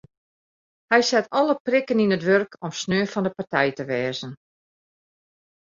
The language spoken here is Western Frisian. Hy set alle prikken yn it wurk om sneon fan de partij te wêze.